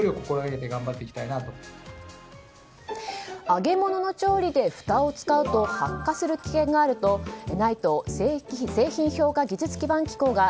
揚げ物の調理でふたを使うと発火する危険があるとＮＩＴＥ・製品評価技術基盤機構が